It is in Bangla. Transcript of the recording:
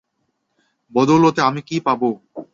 বদৌলতে আমি কী পাব?